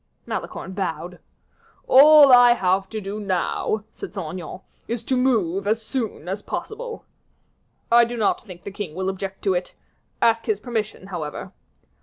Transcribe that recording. Malicorne bowed. "All I have to do now," said Saint Aignan, "is to move as soon as possible." "I do not think the king will object to it. Ask his permission, however."